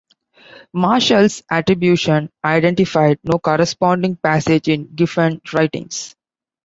Marshall's attribution identified no corresponding passage in Giffen's writings.